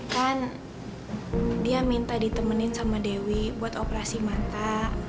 kan dia minta ditemenin sama dewi buat operasi mata